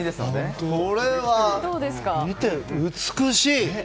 これは、見て、美しい！